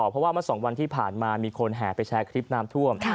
เพราะว่าเมื่อ๒วันที่ผ่านมามีคนแห่ไปแชร์คลิปน้ำท่วม